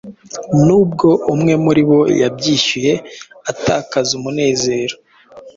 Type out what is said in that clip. Nubwo umwe muribo yabyishyuye atakaza umunezero